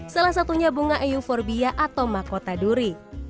salah satunya bunga euforbia atau makota duri